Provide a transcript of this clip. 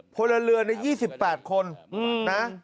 พลเรือนใน๒๘คนนะ